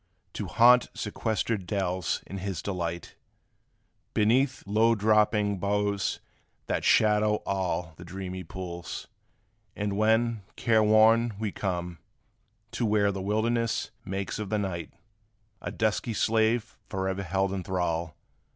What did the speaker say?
To haunt sequestered dells is his delight Beneath low drooping boughs that shadow all The dreamy pools; and when, care worn, we come To where the wilderness makes of the night A dusky slave forever held in thrall.